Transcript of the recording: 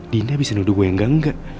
dinda bisa nuduh gue yang enggak enggak